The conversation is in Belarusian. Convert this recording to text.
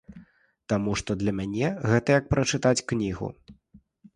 Таму што для мяне гэта як прачытаць кнігу.